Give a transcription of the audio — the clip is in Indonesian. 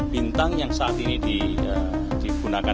bintang yang saat ini digunakan